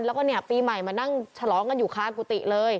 แล้วก็ปีใหม่มานั่งฉลองกันอยู่ข้างปุติเลย